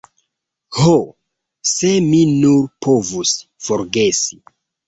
Ho, se mi nur povus forgesi.